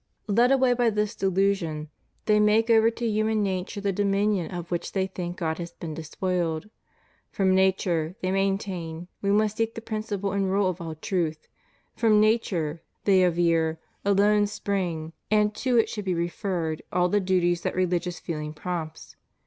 Led away by this delusion, they make over to human nature the dominion of which they think God has been despoiled; from nature, they maintain, we must seek the principle and rule of all truth; from nature, they aver, alone spring, and to it should be referred, all the duties that religious feeling prompts.